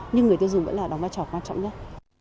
nhưng người tiêu dùng vẫn là đóng vai trò quan trọng nhất